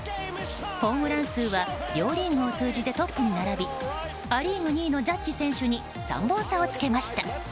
ホームラン数は両リーグを通じてトップに並びア・リーグ２位のジャッジ選手に３本差をつけました。